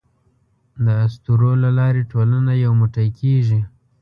د اسطورو له لارې ټولنه یو موټی کېږي.